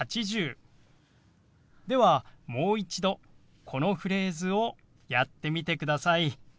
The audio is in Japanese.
ではもう一度このフレーズをやってみてください。